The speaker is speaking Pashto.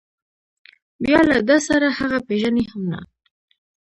بیا له ده سره هغه پېژني هم نه.